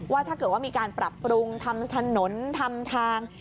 ว่าถ้าเกิดว่ามีการปรับปรุงทำถนนทำทาง